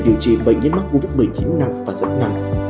điều trị bệnh nhân mắc covid một mươi chín nặng và rất nặng